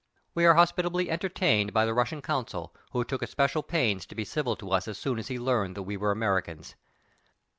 We are hospitably entertained by the Russian consul, who took especial pains to be civil to us as soon as he learned that we were Americans.